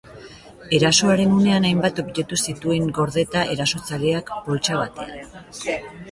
Erasoaren unean hainbat objektu zituen gordeta erasotzaileak poltsa batean.